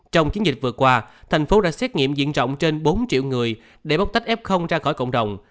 trong chiến dịch vừa qua thành phố đã xét nghiệm diện rộng trên bốn triệu người để bóc tách f ra khỏi cộng đồng